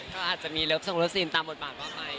ก็อาจจะมีรับส่งรับซีนตามบทบาทกว่าไป